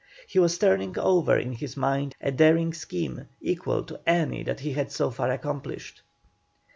He was turning over in his mind a daring scheme, equal to any that he had so far accomplished.